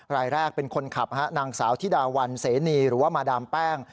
รายแรกเป็นคนขับนางสาวธิดาวันเสนีหรือว่ามาดามแป้ง